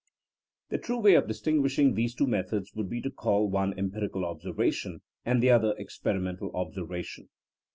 The true way of distinguishing these two methods would be to call one em pirical observation, and the other experimental observation.